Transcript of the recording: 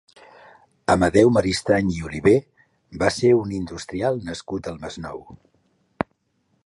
Amadeu Maristany i Oliver va ser un industrial nascut al Masnou.